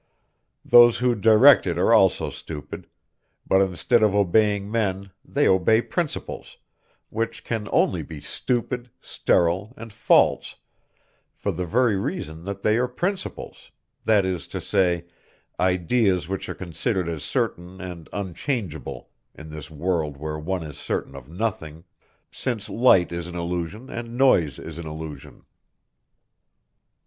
Those who direct it are also stupid; but instead of obeying men they obey principles, which can only be stupid, sterile, and false, for the very reason that they are principles, that is to say, ideas which are considered as certain and unchangeable, in this world where one is certain of nothing, since light is an illusion and noise is an illusion.